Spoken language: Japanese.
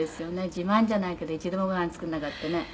自慢じゃないけど一度もごはん作らなかったね」